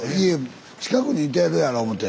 近くにいてるやろ思て。